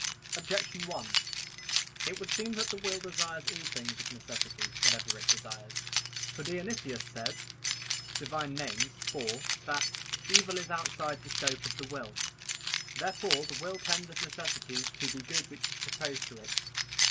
Objection 1: It would seem that the will desires all things of necessity, whatever it desires. For Dionysius says (Div. Nom. iv) that "evil is outside the scope of the will." Therefore the will tends of necessity to the good which is proposed to it.